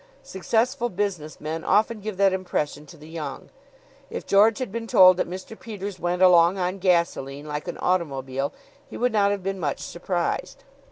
Successful business men often give that impression to the young. If George had been told that Mr. Peters went along on gasoline, like an automobile, he would not have been much surprised.